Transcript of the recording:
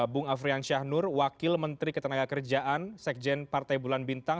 bung afrian syahnur wakil menteri ketenaga kerjaan sekjen partai bulan bintang